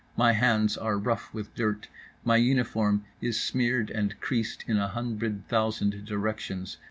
My hands are rough with dirt. My uniform is smeared and creased in a hundred thousand directions.